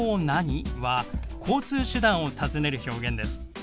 「何？」は交通手段を尋ねる表現です。